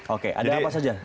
oke ada apa saja